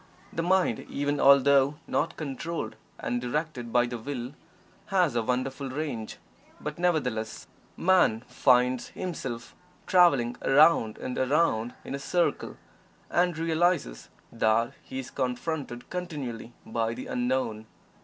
The mind, even although not controlled and directed by the Will, has a wonderful range, but, nevertheless, Man finds himself traveling around and around in a circle, and realizes that he is confronted continually by the Unknown.